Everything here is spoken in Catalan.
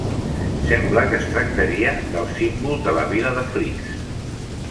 Sembla que es tractaria del símbol de la vila de Flix.